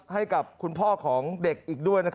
ให้กับคุณพ่อของเด็กอีกด้วย